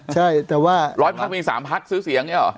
ใช่แต่ว่าร้อยพักมีสามพักซื้อเสียงใช่หรอ